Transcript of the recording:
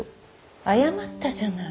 謝ったじゃない。